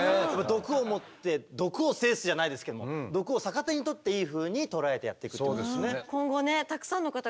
毒をもって毒を制すじゃないですけども毒を逆手にとっていいふうに捉えてやっていくってことですよね。